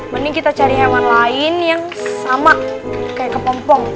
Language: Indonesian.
mending kita cari hewan lain yang sama kayak kepompong